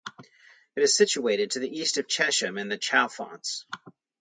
It is situated to the east of Chesham and the Chalfonts.